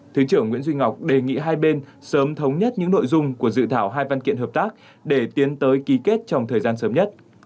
thứ trưởng nguyễn duy ngọc đề nghị hai bên sớm thống nhất những nội dung của dự thảo hai văn kiện hợp tác để tiến tới ký kết trong thời gian sớm nhất